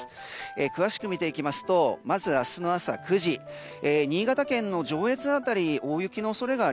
詳しく見ていきますとまず明日の朝９時新潟県の上越辺りで大雪の恐れ。